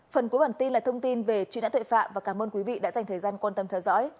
phần cuối bản tin là thông tin về truy nã tội phạm và cảm ơn quý vị đã dành thời gian quan tâm theo dõi